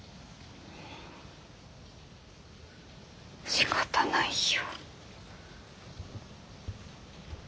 しかたないよ。